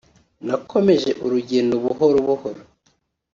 nakomeje urugedno buhoro buhoro